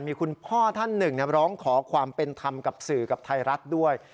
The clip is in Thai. มีคุณพ่อท่านหนึ่งร้องขอความเป็นธรรมกับสื่อกับไทยรัฐด้วย